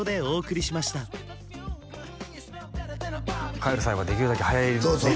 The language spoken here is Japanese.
帰る際はできるだけ早い連絡をそう